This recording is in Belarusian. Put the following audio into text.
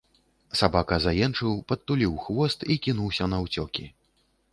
Сабака заенчыў, падтуліў хвост і кінуўся наўцёкі.